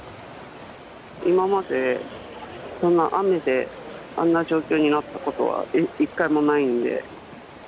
今まで、こんな雨であんな状況になったことは１回もないんで。